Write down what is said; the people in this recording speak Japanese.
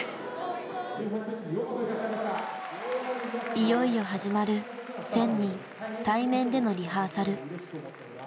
いよいよ始まる１，０００人対面でのリハーサル。